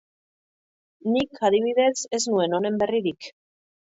Nik, adibidez, ez nuen honen berririk.